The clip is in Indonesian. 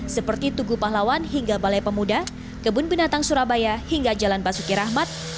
seperti tugu pahlawan hingga balai pemuda kebun binatang surabaya hingga jalan basuki rahmat